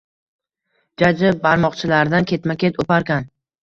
Jajji barmoqchalaridan ketma-ket o‘parkan.